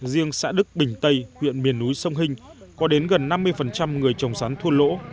riêng xã đức bình tây huyện miền núi sông hinh có đến gần năm mươi người trồng sắn thua lỗ hoặc hòa vốn